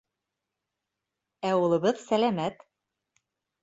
Ә улыбыҙ сәләмәт.